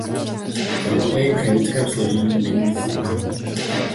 Proto o jejím chemickém složení není nic známo.